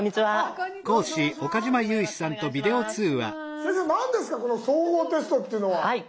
先生何ですかこの「総合テスト」っていうのは？